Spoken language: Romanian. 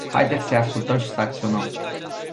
Haideți să îi ascultăm și să acționăm.